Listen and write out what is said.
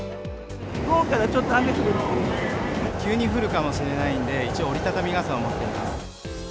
午後からちょっと雨が降るの急に降るかもしれないんで、一応折り畳み傘を持っています。